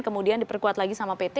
kemudian diperkuat lagi sama pt